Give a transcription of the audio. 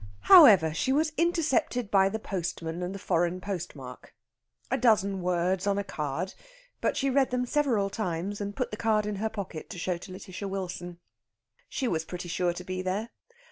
However, she was intercepted by the postman and the foreign postmark a dozen words on a card, but she read them several times, and put the card in her pocket to show to Lætitia Wilson. She was pretty sure to be there.